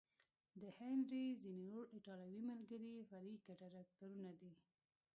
د هنري ځینې نور ایټالوي ملګري فرعي کرکټرونه دي.